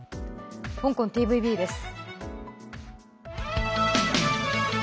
香港ＴＶＢです。